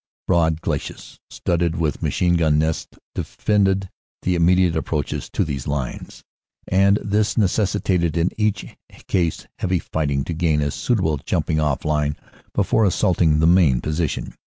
9 114 CANADA S HUNDRED DAYS "Broad glacis, studded with machine gun nests, defended the immediate approaches to these lines, and this necessitated in each case heavy fighting to gain a suitable jumping off line before assaulting the main position.